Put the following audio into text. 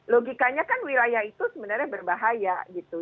logikanya kan wilayah itu sebenarnya berbahaya gitu